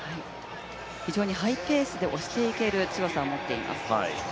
非常にハイペースで押していける強さを持っています。